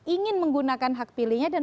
ingin menggunakan hak pilihnya dan